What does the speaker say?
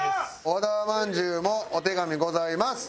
和田まんじゅうもお手紙ございます。